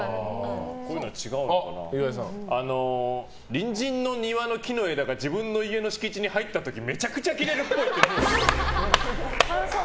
隣人の庭の木の枝が自分の家の敷地に入った時めちゃくちゃキレるっぽい。